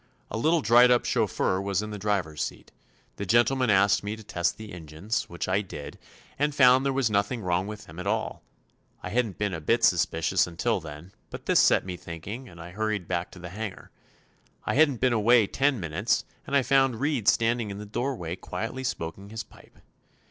A little dried up chauffeur was in the driver's seat. The gentleman asked me to test the engines, which I did, and found there was nothing wrong with them at all. I hadn't been a bit suspicious until then, but this set me thinking and I hurried back to the hangar. I hadn't been away ten minutes, and I found Reed standing in the doorway quietly smoking his pipe.